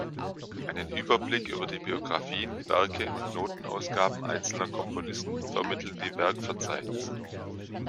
Einen Überblick über die Biografien, Werke und Notenausgaben einzelner Komponisten vermitteln die Werkverzeichnisse.